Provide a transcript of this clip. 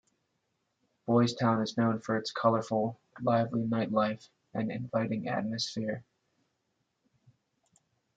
Boystown is known for its colorful, lively nightlife and inviting atmosphere.